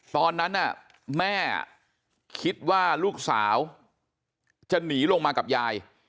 ตอนนั้นแม่คิดว่าลูกสาวจะหนีลงมากับยาย